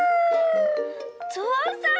ぞうさん！